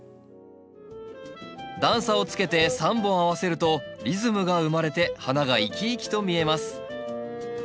段差をつけて３本合わせるとリズムが生まれて花が生き生きと見えます。